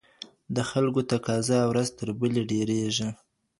د خلګو تقاضا ورځ تر بلې ډېریږي.